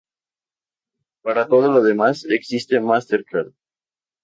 Para todo lo demás existe MasterCard".